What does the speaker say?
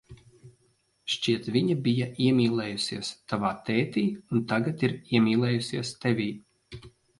Šķiet, viņa bija iemīlējusies tavā tētī un tagad ir iemīlējusies tevī.